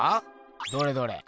どれどれ。